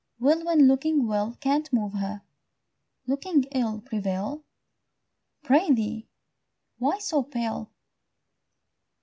Will, when looking well can't move her, Looking ill prevail? Prithee, why so pale?